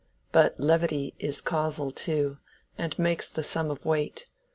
But levity Is causal too, and makes the sum of weight.